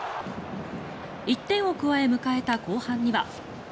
１点を加え、迎えた後半には。